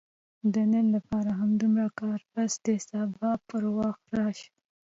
د نن لپاره همدومره کار بس دی، سبا پر وخت راشئ!